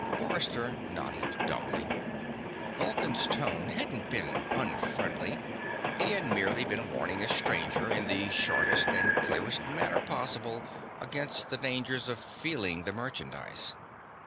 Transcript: Forrester nodded dumbly. Vulcan's tone hadn't been unfriendly; he had merely been warning a stranger, in the shortest and clearest manner possible, against the dangers of feeling the merchandise.